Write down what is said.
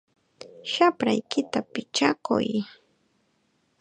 ¡Shapraykita pichakuy!